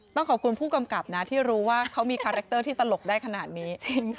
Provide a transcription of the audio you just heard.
ต้องขอบคุณผู้กำกับนะที่รู้ว่าเขามีคาแรคเตอร์ที่ตลกได้ขนาดนี้